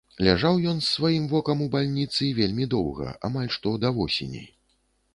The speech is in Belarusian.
Ляжаў ён з сваім вокам у бальніцы вельмі доўга, амаль што да восені.